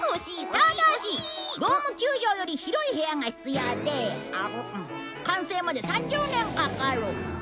ただしドーム球場より広い部屋が必要で完成まで３０年かかる。